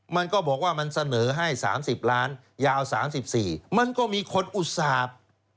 มันก็บอกว่ามันเสนอให้๓๐ล้านยาว๓๔มันก็มีคนอุตส่าห์